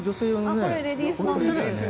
これはレディースです。